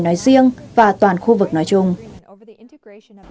nói riêng và toàn khu vực nói chung